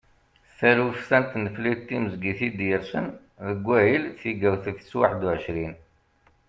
Taluft-a n tneflit timezgit i d-yersen deg wahil tigawt tis waḥedd u ɛecrin.